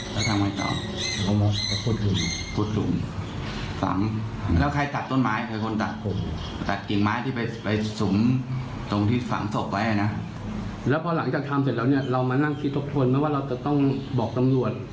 แล้วทำไงต่อหลังจากทำเสร็จแล้วเนี่ยเรามานั่งคิดทบทวนไหมว่าเราจะต้องบอกตำรวจ